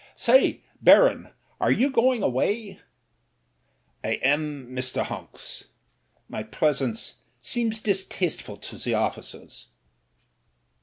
"Say, Baron, are you going away ?" "I am, Mr. Honks. My presence seems distasteful to the officers.'